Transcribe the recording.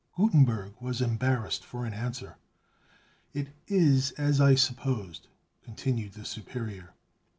Gutenberg was embarrassed for an answer. "It is as I supposed," continued the Superior.